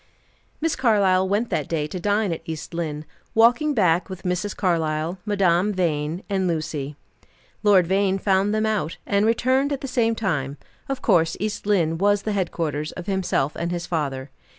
Miss Carlyle went that day to dine at East Lynne, walking back with Mrs. Carlyle, Madame Vine and Lucy. Lord Vane found them out, and returned at the same time; of course East Lynne was the headquarters of himself and his father.